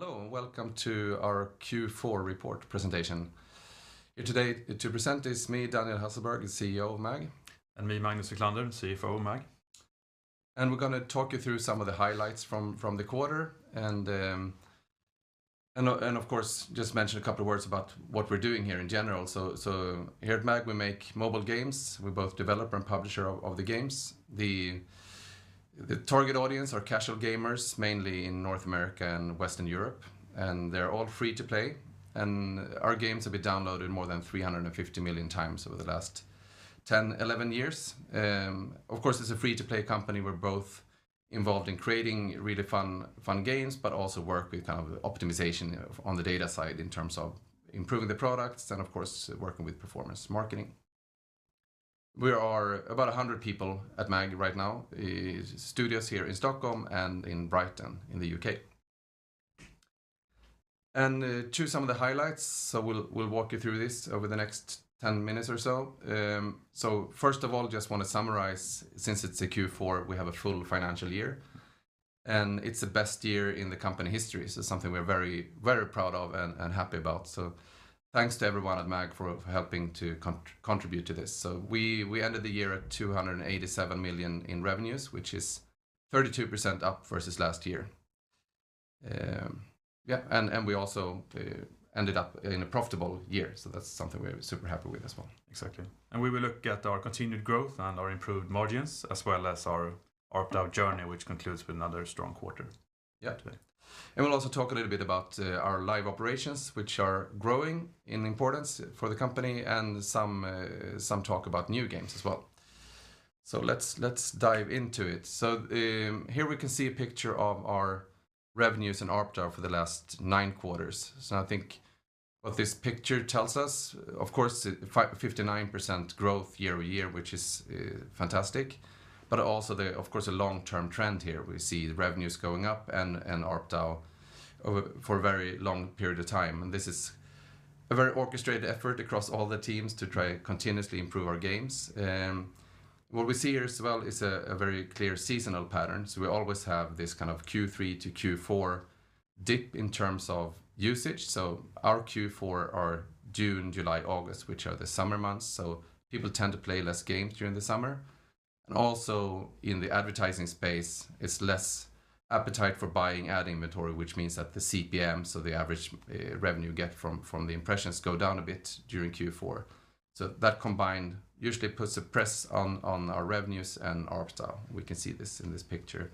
Hello, welcome to our Q4 report presentation. Here today to present is me, Daniel Hasselberg, the CEO of MAG. Me, Magnus Wiklander, CFO of MAG. We're going to talk you through some of the highlights from the quarter, and of course, just mention a couple of words about what we're doing here in general. Here at MAG, we make mobile games. We're both developer and publisher of the games. The target audience are casual gamers, mainly in North America and Western Europe, and they're all free to play. Our games have been downloaded more than 350 million times over the last 10, 11 years. Of course, as a free-to-play company, we're both involved in creating really fun games, but also work with optimization on the data side in terms of improving the products and, of course, working with performance marketing. We are about 100 people at MAG right now, studios here in Stockholm and in Brighton in the U.K. To some of the highlights. We'll walk you through this over the next 10 minutes or so. First of all, just want to summarize, since it's a Q4, we have a full financial year, and it's the best year in the company history. Something we're very proud of and happy about. Thanks to everyone at MAG for helping to contribute to this. We ended the year at 287 million in revenues, which is 32% up versus last year. We also ended up in a profitable year, that's something we're super happy with as well. Exactly. We will look at our continued growth and our improved margins, as well as our ARPDAU journey, which concludes with another strong quarter. Yeah. We'll also talk a little bit about our live operations, which are growing in importance for the company, and some talk about new games as well. Let's dive into it. Here we can see a picture of our revenues and ARPDAU for the last nine quarters. I think what this picture tells us, of course, 59% growth year-over-year, which is fantastic. Also, of course, a long-term trend here. We see the revenues going up and ARPDAU for a very long period of time. This is a very orchestrated effort across all the teams to try to continuously improve our games. What we see here as well is a very clear seasonal pattern. We always have this kind of Q3 to Q4 dip in terms of usage. Our Q4 are June, July, August, which are the summer months, so people tend to play less games during the summer. Also in the advertising space, it's less appetite for buying ad inventory, which means that the CPM, so the average revenue you get from the impressions, go down a bit during Q4. That combined usually puts a press on our revenues and ARPDAU. We can see this in this picture.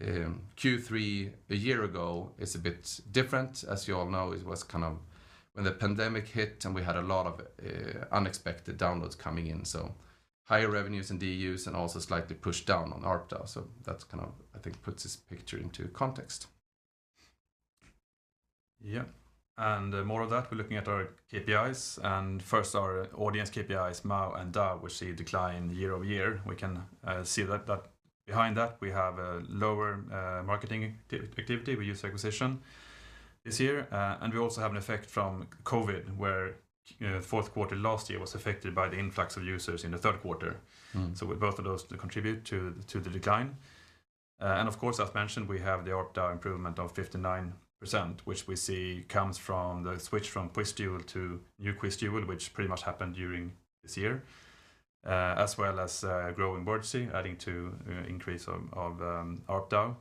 Q3 a year ago is a bit different. As you all know, it was kind of when the pandemic hit, and we had a lot of unexpected downloads coming in, so higher revenues and DAUs, and also slightly pushed down on ARPDAU. That I think puts this picture into context. Yeah. More of that, we're looking at our KPIs, first our audience KPIs, MAU and DAU. We see a decline year-over-year. We can see that behind that we have a lower marketing activity. We user acquisition this year, and we also have an effect from COVID, where fourth quarter last year was affected by the influx of users in the third quarter. Both of those contribute to the decline. Of course, as mentioned, we have the ARPDAU improvement of 59%, which we see comes from the switch from QuizDuel to New QuizDuel, which pretty much happened during this year. As well as growing Wordzee adding to increase of ARPDAU.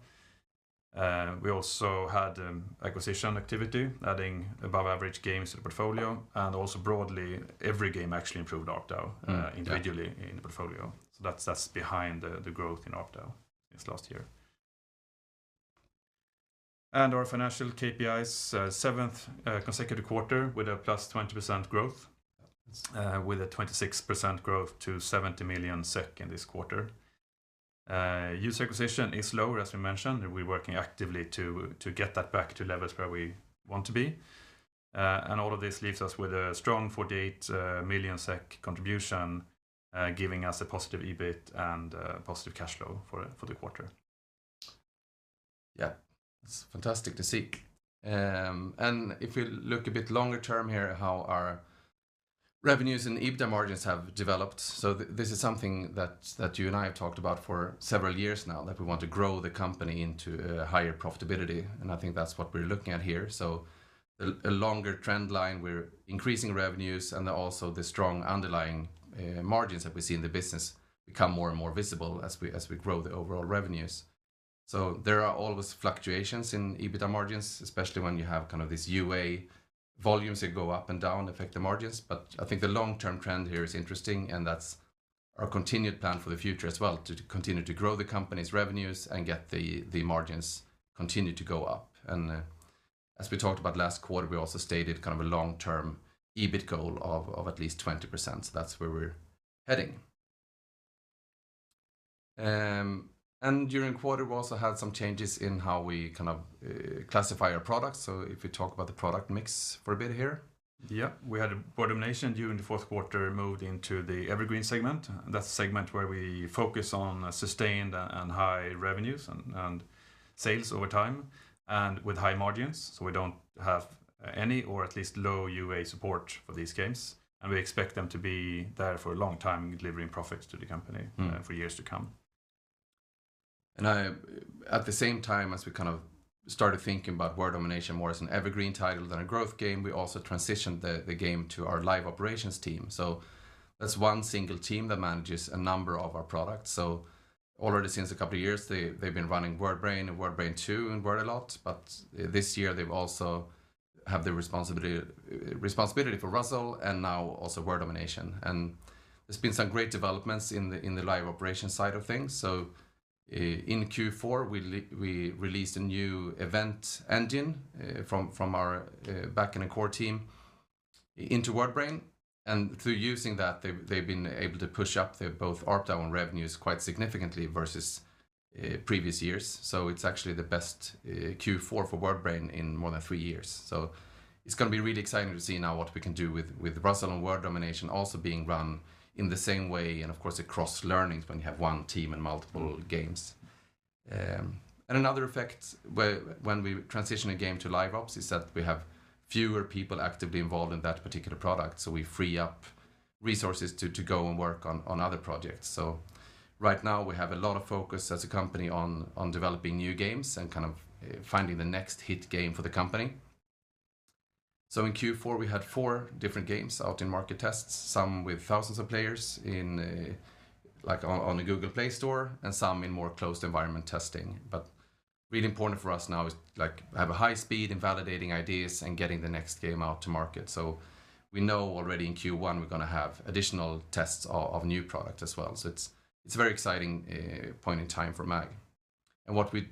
We also had acquisition activity adding above average games to the portfolio, and also broadly, every game actually improved ARPDAU individually in the portfolio. That's behind the growth in ARPDAU since last year. Our financial KPIs, seventh consecutive quarter with a +20% growth, with a 26% growth to 70 million SEK in this quarter. User acquisition is lower, as we mentioned. We're working actively to get that back to levels where we want to be. All of this leaves us with a strong 48 million SEK contribution, giving us a positive EBIT and positive cash flow for the quarter. Yeah. It's fantastic to see. If we look a bit longer term here at how our revenues and EBITDA margins have developed. This is something that you and I have talked about for several years now, that we want to grow the company into higher profitability, and I think that's what we're looking at here. A longer trend line. We're increasing revenues and also the strong underlying margins that we see in the business become more and more visible as we grow the overall revenues. There are always fluctuations in EBITDA margins, especially when you have kind of this UA volumes that go up and down, affect the margins. I think the long-term trend here is interesting, and that's our continued plan for the future as well, to continue to grow the company's revenues and get the margins continue to go up. As we talked about last quarter, we also stated kind of a long-term EBIT goal of at least 20%. That's where we're heading. During the quarter, we also had some changes in how we kind of classify our products. If we talk about the product mix for a bit here. Yeah. We had Word Domination during the fourth quarter moved into the evergreen segment. That's the segment where we focus on sustained and high revenues and sales over time, and with high margins. We don't have any, or at least low UA support for these games, and we expect them to be there for a long time delivering profits to the company for years to come. At the same time as we started thinking about Word Domination more as an evergreen title than a growth game, we also transitioned the game to our live operations team. That's one single team that manages a number of our products. Already since a couple of years, they've been running WordBrain, and WordBrain 2, and Wordalot, but this year they also have the responsibility for Ruzzle and now also Word Domination. There's been some great developments in the live operations side of things. In Q4, we released a new event engine from our back-end core team into WordBrain, and through using that, they've been able to push up both ARPDAU and revenues quite significantly versus previous years. It's actually the best Q4 for WordBrain in more than three years. It's going to be really exciting to see now what we can do with Ruzzle and Word Domination also being run in the same way, and of course, cross-learnings when you have one team and multiple games. Another effect when we transition a game to live ops is that we have fewer people actively involved in that particular product, so we free up resources to go and work on other projects. Right now we have a lot of focus as a company on developing new games and finding the next hit game for the company. In Q4, we had four different games out in market tests, some with thousands of players on the Google Play Store, and some in more closed environment testing. Really important for us now is have a high speed in validating ideas and getting the next game out to market. We know already in Q1 we're going to have additional tests of new product as well. It's a very exciting point in time for MAG. What we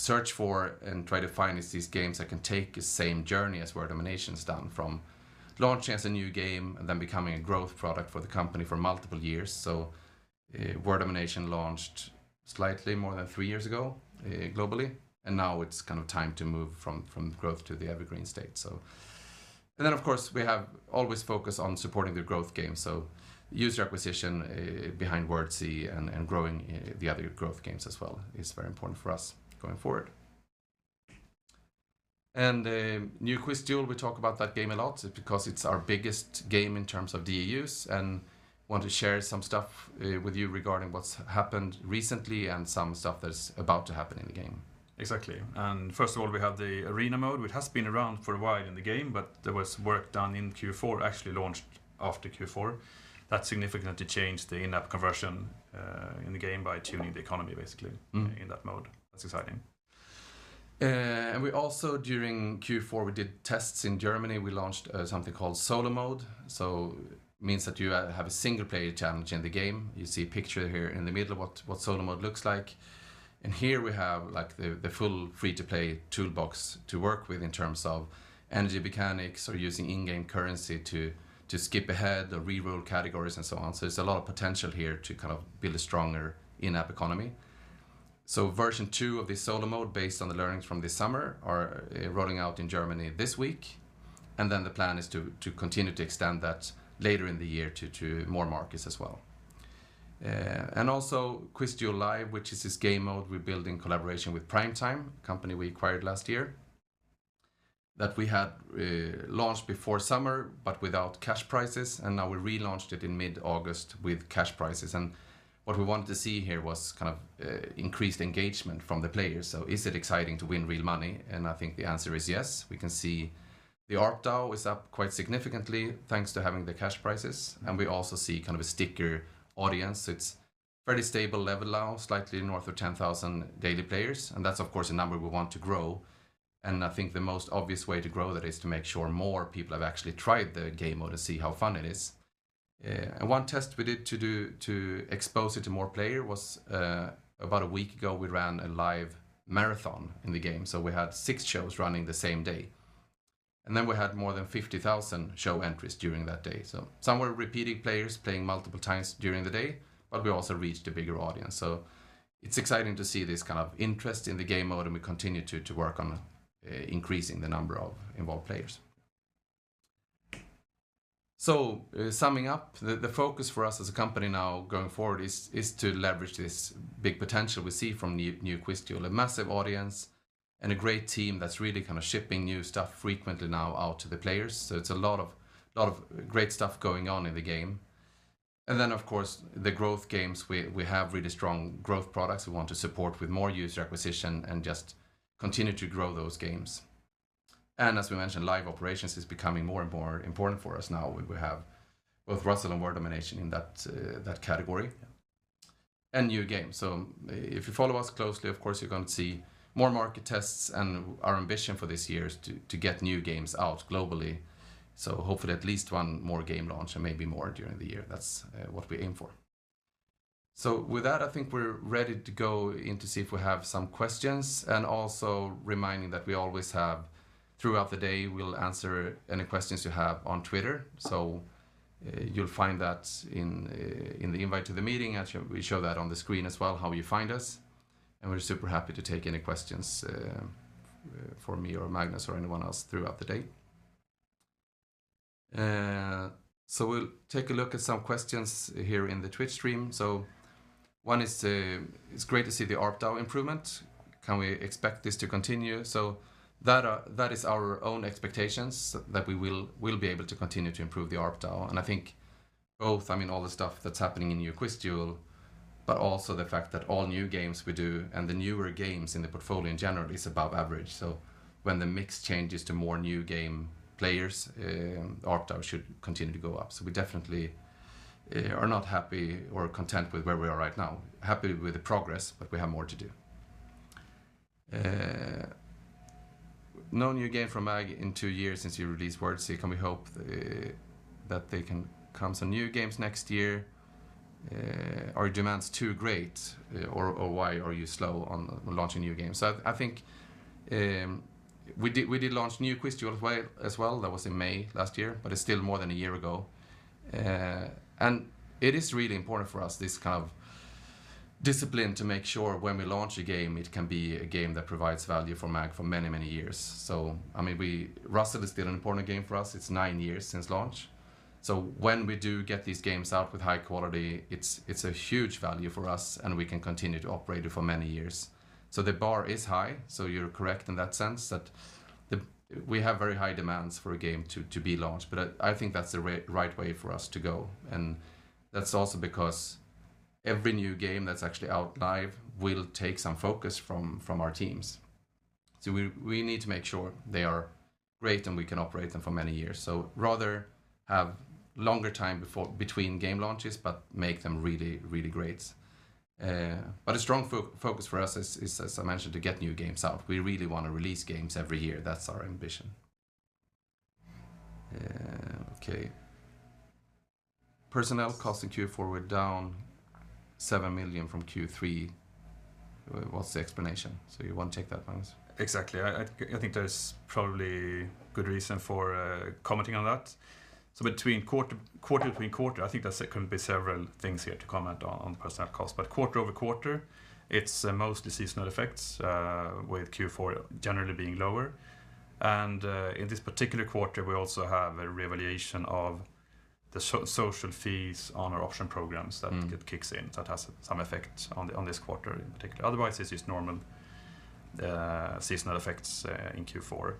search for and try to find is these games that can take the same journey as Word Domination's done, from launching as a new game and then becoming a growth product for the company for multiple years. Word Domination launched slightly more than three years ago globally, and now it's time to move from growth to the evergreen state. Then, of course, we have always focused on supporting the growth game. User acquisition behind Wordzee and growing the other growth games as well is very important for us going forward. New QuizDuel, we talk about that game a lot because it's our biggest game in terms of DAUs, and want to share some stuff with you regarding what's happened recently and some stuff that's about to happen in the game. Exactly. First of all, we have the arena mode, which has been around for a while in the game, but there was work done in Q4, actually launched after Q4, that significantly changed the in-app conversion in the game by tuning the economy, basically in that mode. That's exciting. We also, during Q4, we did tests in Germany. We launched something called solo mode, so means that you have a single-player challenge in the game. You see a picture here in the middle of what solo mode looks like. Here we have the full free-to-play toolbox to work with in terms of energy mechanics or using in-game currency to skip ahead or reroll categories and so on. There's a lot of potential here to build a stronger in-app economy. Version 2 of the solo mode based on the learnings from this summer are rolling out in Germany this week, and then the plan is to continue to extend that later in the year to more markets as well. Also QuizDuel Live, which is this game mode we build in collaboration with Primetime, a company we acquired last year, that we had launched before summer, but without cash prizes, and now we relaunched it in mid-August with cash prizes. What we wanted to see here was increased engagement from the players. Is it exciting to win real money? I think the answer is yes. We can see the ARPDAU is up quite significantly thanks to having the cash prizes, and we also see a stickier audience. It's fairly stable level now, slightly north of 10,000 daily players, and that's of course a number we want to grow. I think the most obvious way to grow that is to make sure more people have actually tried the game mode to see how fun it is. One test we did to expose it to more player was, about a week ago, we ran a live marathon in the game. We had six shows running the same day, and then we had more than 50,000 show entries during that day. Some were repeated players playing multiple times during the day, but we also reached a bigger audience. It's exciting to see this kind of interest in the game mode, and we continue to work on increasing the number of involved players. Summing up, the focus for us as a company now going forward is to leverage this big potential we see from New QuizDuel, a massive audience, and a great team that's really shipping new stuff frequently now out to the players. It's a lot of great stuff going on in the game. Of course, the growth games, we have really strong growth products we want to support with more user acquisition and just continue to grow those games. As we mentioned, live operations is becoming more and more important for us now. We have both Ruzzle and Word Domination in that category. Yeah. New games. If you follow us closely, of course, you're going to see more market tests, and our ambition for this year is to get new games out globally. Hopefully at least one more game launch and maybe more during the year. That's what we aim for. With that, I think we're ready to go in to see if we have some questions. Also reminding that we always have, throughout the day, we'll answer any questions you have on Twitter. You'll find that in the invite to the meeting. Actually, we show that on the screen as well, how you find us, and we're super happy to take any questions for me or Magnus or anyone else throughout the day. We'll take a look at some questions here in the Twitch stream. One is, It's great to see the ARPDAU improvement. Can we expect this to continue? That is our own expectations that we will be able to continue to improve the ARPDAU, and Both, all the stuff that's happening in New QuizDuel, but also the fact that all new games we do and the newer games in the portfolio in general is above average. When the mix changes to more new game players, ARPDAU should continue to go up. We definitely are not happy or content with where we are right now. Happy with the progress, but we have more to do. No new game from MAG in two years since you released Wordzee. Can we hope that there can come some new games next year? Are demands too great? Why are you slow on launching new games? I think we did launch New QuizDuel as well. That was in May last year, but it's still more than a year ago. It is really important for us, this discipline to make sure when we launch a game, it can be a game that provides value for MAG for many years. Ruzzle is still an important game for us. It's nine years since launch. When we do get these games out with high quality, it's a huge value for us, and we can continue to operate it for many years. The bar is high. You're correct in that sense that we have very high demands for a game to be launched. I think that's the right way for us to go, and that's also because every new game that's actually out live will take some focus from our teams. We need to make sure they are great, and we can operate them for many years. Rather have longer time between game launches, but make them really great. A strong focus for us is, as I mentioned, to get new games out. We really want to release games every year. That's our ambition. Okay. Personnel costs in Q4 were down 7 million from Q3. What's the explanation? You want to take that, Magnus? Exactly. I think there's probably good reason for commenting on that. Quarter between quarter, I think that can be several things here to comment on personnel costs. Quarter-over-quarter, it's mostly seasonal effects, with Q4 generally being lower. In this particular quarter, we also have a reevaluation of the social fees on our option programs. It kicks in that has some effect on this quarter in particular. Otherwise, it's just normal seasonal effects in Q4.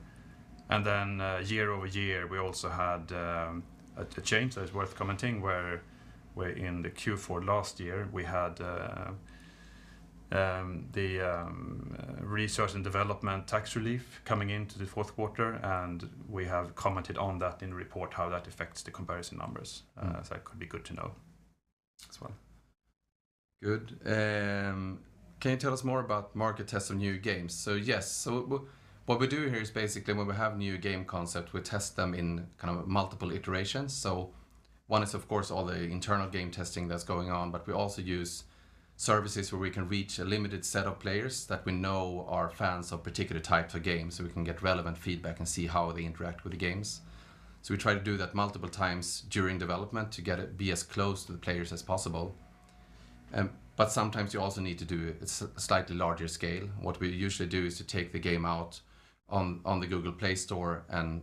Year-over-year, we also had a change that is worth commenting where in the Q4 last year, we had the research and development tax relief coming into the fourth quarter, and we have commented on that in the report, how that affects the comparison numbers. That could be good to know as well. Good. Can you tell us more about market tests on new games? Yes. What we do here is basically when we have new game concept, we test them in multiple iterations. One is, of course, all the internal game testing that's going on, but we also use services where we can reach a limited set of players that we know are fans of particular types of games, so we can get relevant feedback and see how they interact with the games. We try to do that multiple times during development to get it be as close to the players as possible. Sometimes you also need to do a slightly larger scale. What we usually do is to take the game out on the Google Play Store and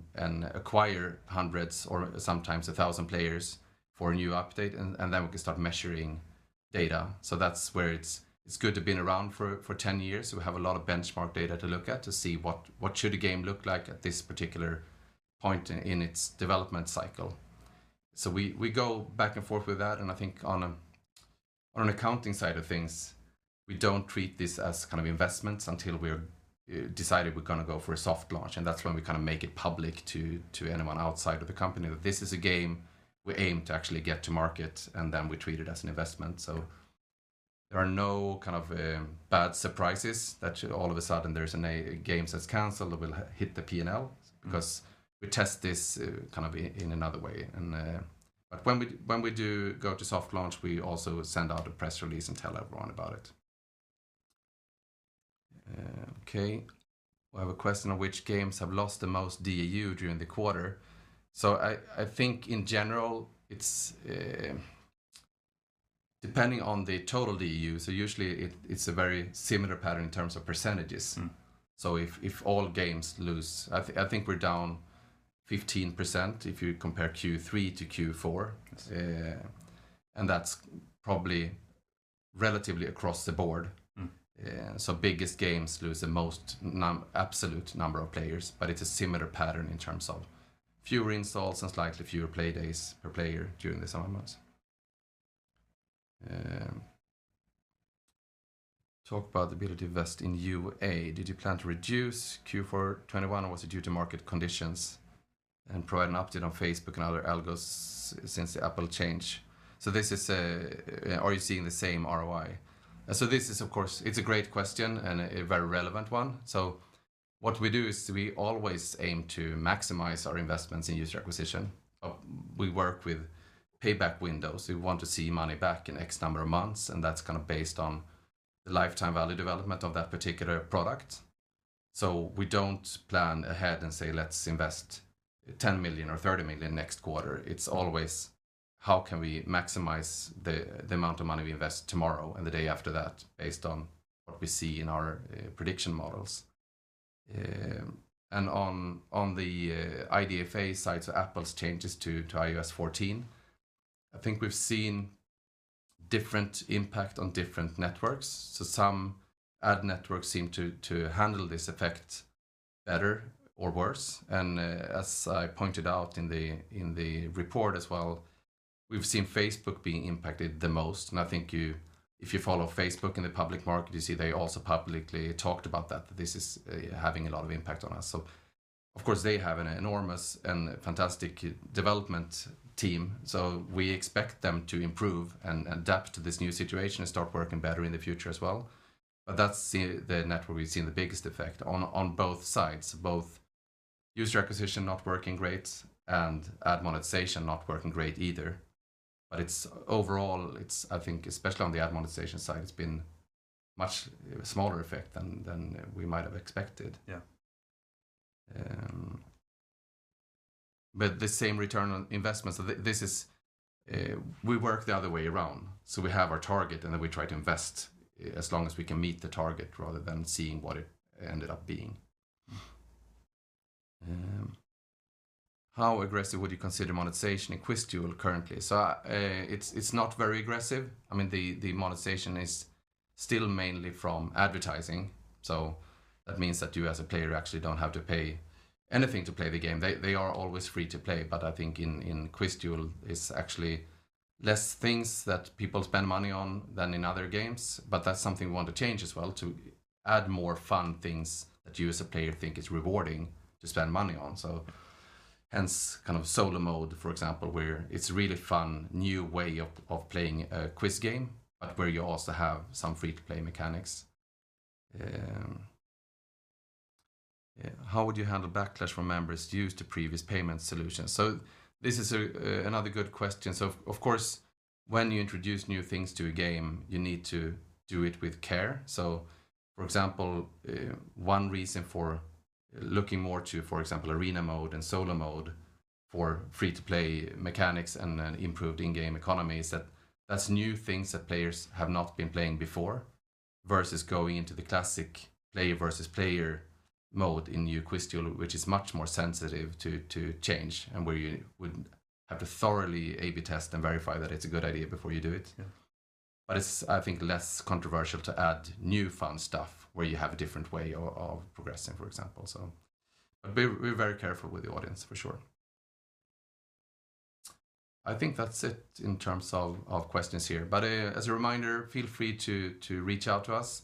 acquire hundreds or sometimes 1,000 players for a new update, and then we can start measuring data. That's where it's good to been around for 10 years. We have a lot of benchmark data to look at to see what should a game look like at this particular point in its development cycle. We go back and forth with that, and I think on an accounting side of things, we don't treat this as investments until we're decided we're going to go for a soft launch, and that's when we make it public to anyone outside of the company that this is a game we aim to actually get to market, and then we treat it as an investment. There are no bad surprises that all of a sudden there's a game that's canceled that will hit the P&L because we test this in another way. When we do go to soft launch, we also send out a press release and tell everyone about it. Okay. We have a question on which games have lost the most DAU during the quarter. I think in general, it's depending on the total DAU. Usually it's a very similar pattern in terms of percentages. If all games lose, I think we're down 15% if you compare Q3 to Q4. Yes. That's probably relatively across the board. Biggest games lose the most absolute number of players, but it's a similar pattern in terms of fewer installs and slightly fewer play days per player during the summer months. Talk about the ability to invest in UA. Did you plan to reduce Q4 2021, or was it due to market conditions? Provide an update on Facebook and other algos since the Apple change. Are you seeing the same ROI? This is, of course, it's a great question and a very relevant one. What we do is we always aim to maximize our investments in user acquisition. We work with payback windows. We want to see money back in X number of months, and that's based on the lifetime value development of that particular product. We don't plan ahead and say, "Let's invest 10 million or 30 million next quarter." It's always how can we maximize the amount of money we invest tomorrow and the day after that based on what we see in our prediction models. On the IDFA side, Apple's changes to iOS 14, I think we've seen different impact on different networks. Some ad networks seem to handle this effect better or worse. As I pointed out in the report as well, we've seen Facebook being impacted the most, and I think if you follow Facebook in the public market, you see they also publicly talked about that. This is having a lot of impact on us. Of course, they have an enormous and fantastic development team, so we expect them to improve and adapt to this new situation and start working better in the future as well. That's the network we've seen the biggest effect on both sides, both user acquisition not working great and ad monetization not working great either. Overall, I think especially on the ad monetization side, it's been a much smaller effect than we might have expected. Yeah. The same return on investment. We work the other way around, so we have our target, and then we try to invest as long as we can meet the target rather than seeing what it ended up being. How aggressive would you consider monetization in QuizDuel currently? It's not very aggressive. The monetization is still mainly from advertising. That means that you as a player actually don't have to pay anything to play the game. They are always free to play, but I think in QuizDuel, it's actually less things that people spend money on than in other games. That's something we want to change as well to add more fun things that you as a player think is rewarding to spend money on. Hence solo mode, for example, where it's a really fun new way of playing a quiz game, but where you also have some free-to-play mechanics. How would you handle backlash from members used to previous payment solutions? This is another good question. Of course, when you introduce new things to a game, you need to do it with care. For example, one reason for looking more to, for example, arena mode and solo mode for free-to-play mechanics and an improved in-game economy is that that's new things that players have not been playing before, versus going into the classic player versus player mode in New QuizDuel, which is much more sensitive to change and where you would have to thoroughly A/B test and verify that it's a good idea before you do it. Yeah. It's, I think, less controversial to add new fun stuff where you have a different way of progressing, for example. We're very careful with the audience, for sure. I think that's it in terms of questions here. As a reminder, feel free to reach out to us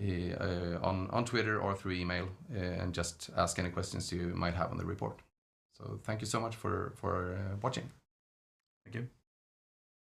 on Twitter or through email and just ask any questions you might have on the report. Thank you so much for watching. Thank you.